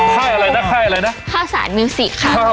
ค่ายอะไรอะไรน่ะค่าสารมิวสิกค่ะ